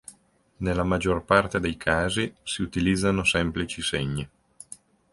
Nella maggior parte dei casi si utilizzano semplici segni.